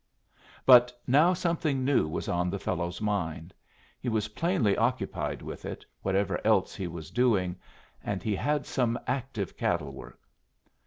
But now something new was on the fellow's mind. He was plainly occupied with it, whatever else he was doing, and he had some active cattle work.